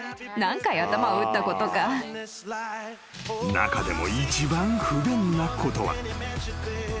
［中でも一番不便なことは］